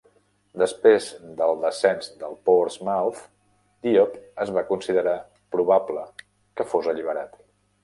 Després del descens de Portsmouth, Diop es va considerar probable que fos alliberat.